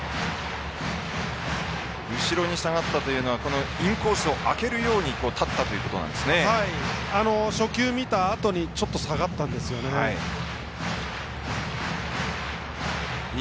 後ろに下がったというのはインコースをあてるように初球を見たあとにちょっと下がったんですよね。